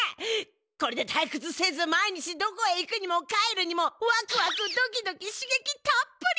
これでたいくつせず毎日どこへ行くにも帰るにもワクワクドキドキしげきたっぷりじゃ！